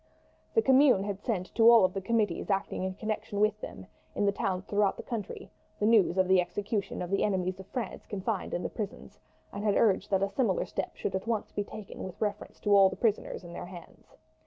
The Commune had sent to all the committees acting in connection with them in the towns throughout the country the news of the execution of the enemies of France confined in the prisons, and had urged that a similar step should at once be taken with reference to all the prisoners in their hands.